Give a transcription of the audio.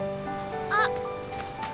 あっ。